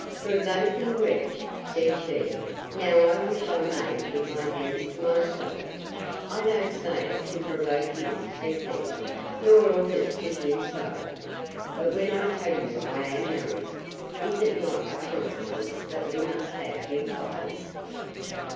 —Provoking wretch! said she; now I wish I may keep my hands to myself. I don't say it to provoke you, said he, nor ought it to do so. But when I tell you I am married, is it not a consequence that we must have new clothes?